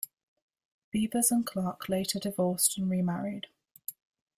Beavers and Clark later divorced and remarried.